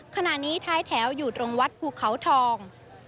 ขณะนี้ท้ายแถวอยู่ตรงวัดภูเขาทอง